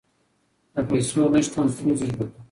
د پیسو نشتون ستونزې جوړوي.